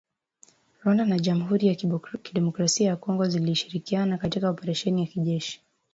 Rwanda na Jamhuri ya kidemokrasia ya Congo zilishirikiana katika oparesheni ya kijeshi